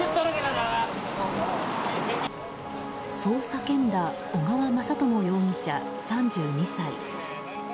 そう叫んだ小川雅朝容疑者、３２歳。